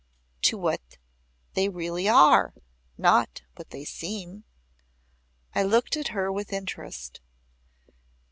"To what they really are not what they seem." I looked at her with interest.